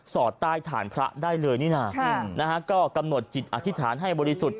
อดใต้ฐานพระได้เลยนี่นะก็กำหนดจิตอธิษฐานให้บริสุทธิ์